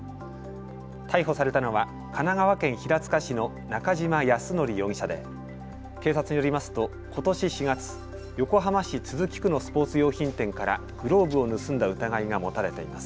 逮捕されたのは神奈川県平塚市の中島康典容疑者で警察によりますと、ことし４月、横浜市都筑区のスポーツ用品店からグローブを盗んだ疑いが持たれています。